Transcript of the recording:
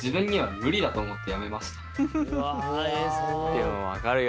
でも分かるよ。